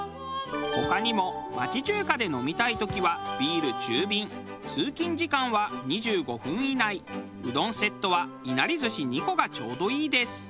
他にも町中華で飲みたい時はビール中瓶通勤時間は２５分以内うどんセットはいなり寿司２個がちょうどいいです。